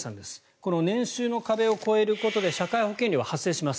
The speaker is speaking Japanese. この年収の壁を超えることで社会保険料は発生します。